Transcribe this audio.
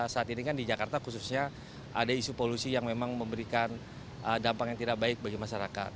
saat ini kan di jakarta khususnya ada isu polusi yang memang memberikan dampak yang tidak baik bagi masyarakat